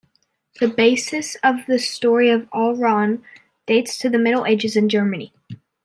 The basis of the story of Alraune dates to the Middle Ages in Germany.